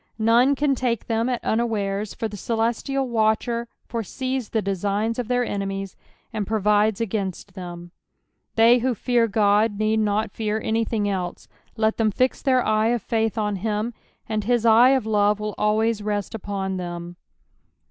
None can take them at unawares, for the celestial watcher foresees the designs of their enemies, and provides agninst them. They who fear Ood need not fear any thing else ; let them fix their eye of faith on him, and his eye uf love will always rest ujion them.